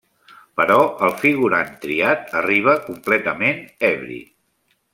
Però el figurant triat arriba completament ebri.